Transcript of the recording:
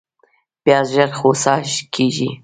پیاز ژر خوسا کېږي